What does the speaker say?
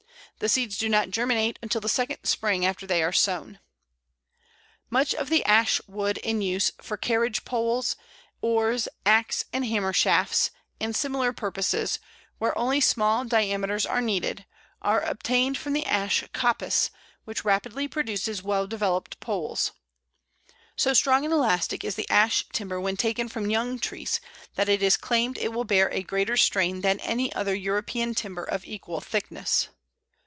The seeds do not germinate until the second spring after they are sown. [Illustration: Pl. 41. Bole of Ash.] Much of the Ash wood in use for carriage poles, oars, axe and hammer shafts, and similar purposes where only small diameters are needed, are obtained from Ash coppice, which rapidly produces well developed poles. So strong and elastic is the Ash timber when taken from young trees, that it is claimed it will bear a greater strain than any other European timber of equal thickness.